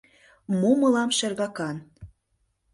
Мо мылам шергакан.